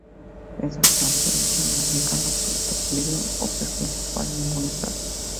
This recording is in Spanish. Esta transferencia no implica en absoluto peligro o perjuicio para ningún Estado.